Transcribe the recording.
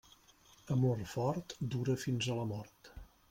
Amor fort dura fins a la mort.